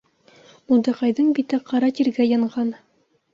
Мулдаҡайҙың бите ҡара тиргә янған.